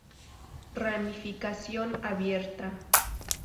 Ramificación abierta.